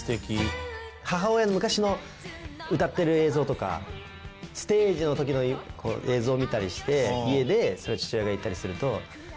母親の昔の歌ってる映像とかステージの時の映像を見たりして家で父親がいたりすると。